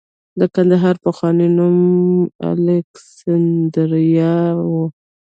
د کندهار پخوانی نوم الکسندریا و